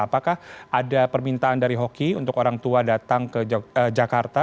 apakah ada permintaan dari hoki untuk orang tua datang ke jakarta